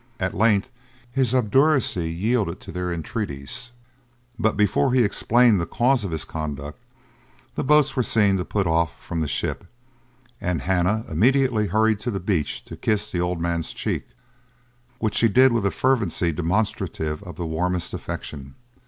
At length his obduracy yielded to their entreaties; but before he explained the cause of his conduct, the boats were seen to put off from the ship, and Hannah immediately hurried to the beach to kiss the old man's cheek, which she did with a fervency demonstrative of the warmest affection.